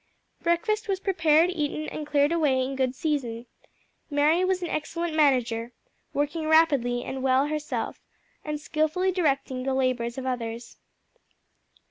Breakfast was prepared, eaten, and cleared away in good season. Mary was an excellent manager, working rapidly and well herself and skilfully directing the labors of others.